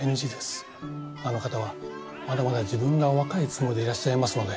あの方はまだまだ自分がお若いつもりでいらっしゃいますので。